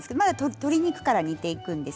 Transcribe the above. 鶏肉から煮ていきます。